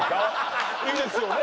いいですよね？